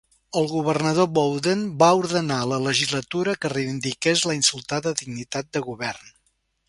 El Governador Bowdoin va ordenar a la legislatura que reivindiqués la insultada dignitat de govern.